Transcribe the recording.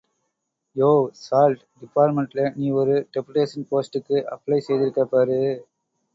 யோவ்... salt டிபார்ட்மெண்ட்ல... நீ ஒரு டெபுடேஷன் போஸ்ட்டுக்கு அப்ளை செய்திருக்கே பாரு!